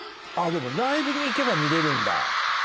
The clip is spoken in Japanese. ライブに行けば見れるんだ？